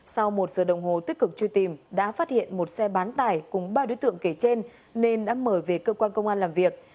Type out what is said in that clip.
sau một giờ đồng hồ tích cực truy tìm đã phát hiện một xe bán tải cùng ba đối tượng kể trên nên đã mời về cơ quan công an làm việc